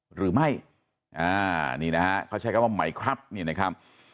หรือไม่อ่านี่นะฮะเขาใช้คำว่าไหมครับนี่นะครับ